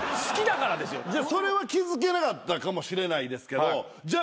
それは気付けなかったかもしれないですけどじゃあ